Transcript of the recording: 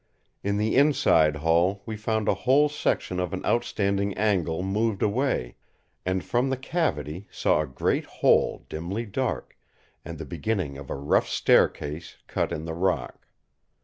In the inside hall we found a whole section of an outstanding angle moved away, and from the cavity saw a great hole dimly dark, and the beginning of a rough staircase cut in the rock.